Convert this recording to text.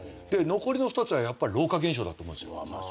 残りの２つはやっぱり老化現象だと思うんですよ。